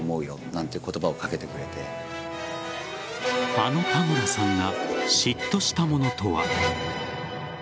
あの田村さんが嫉妬したものとは。